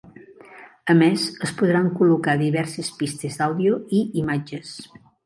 A més, es podran col·locar diverses pistes d'àudio i imatges.